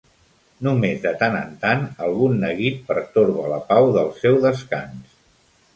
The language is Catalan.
Només de tant en tant algun neguit pertorba la pau del seu descans.